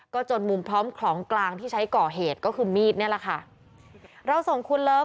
จนมุมพร้อมของกลางที่ใช้ก่อเหตุก็คือมีดนี่แหละค่ะเราส่งคุณเลิฟ